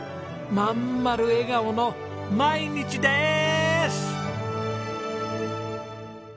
まんまる笑顔の毎日です！